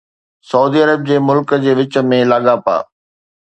سعودي عرب جي ملڪ جي وچ ۾ لاڳاپا